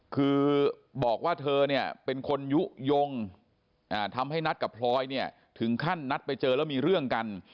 คือบอกว่าเธอเนี่ยเป็นคนยุโยงทำให้นัทกับพลอยเนี่ยถึงขั้นนัดไปเจอแล้วมีเรื่องกัน